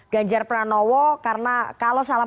ganjar pranowo karena kalau salah